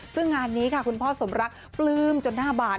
ซึ่งงานนี้ค่ะคุณพ่อสมรักปลื้มจนหน้าบาน